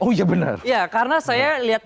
oh ya benar karena saya lihat